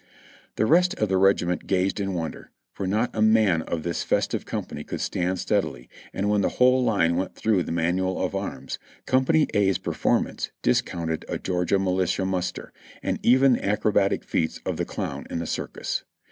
The rest of the regiment gazed in wonder, for not a man of this festive company could stand steadily, and when the whole line went through the manual of arms. Company A's performance discounted a Georgia militia muster, or even the acrobatic feats of the clown in the circus.